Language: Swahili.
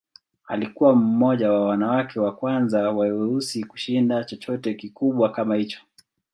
Alikuwa mmoja wa wanawake wa kwanza wa weusi kushinda chochote kikubwa kama hicho.